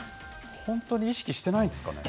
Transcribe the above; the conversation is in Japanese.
本当に意識してないんですかね。